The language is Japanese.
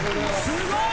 すごい！